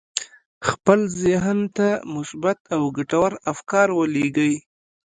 خپل ذهن ته مثبت او ګټور افکار ولېږئ.